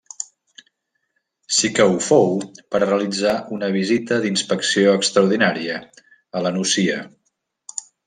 Sí que ho fou per a realitzar una visita d’inspecció extraordinària a La Nucia.